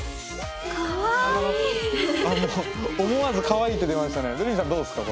思わずかわいいって出ましたね